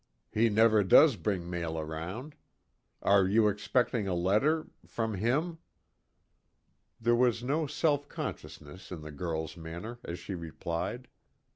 "He never does bring mail round. Are you expecting a letter from him?" There was no self consciousness in the girl's manner as she replied.